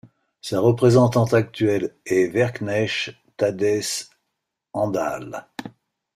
Sa représentante actuelle est Werqnesh Tadesse Endale.